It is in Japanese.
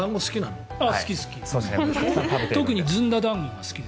好き、好き。